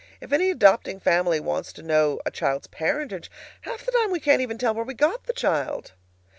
If any adopting family wants to know a child's parentage, half the time we can't even tell where we got the child!